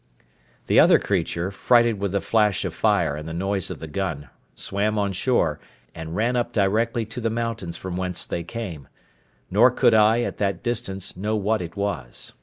The other creature, frighted with the flash of fire and the noise of the gun, swam on shore, and ran up directly to the mountains from whence they came; nor could I, at that distance, know what it was.